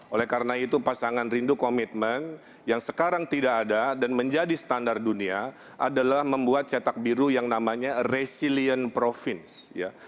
oleh karena itu pasangan rindu komitmen yang sekarang tidak ada dan menjadi standar dunia adalah membuat cetak biru yang namanya resilient province ya